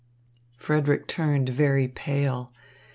Frederick turned very pale.